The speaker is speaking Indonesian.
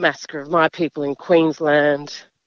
masalah orang orang saya di queensland